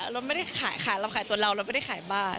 เราไม่ได้ขายเราขายตัวเราเราไม่ได้ขายบ้าน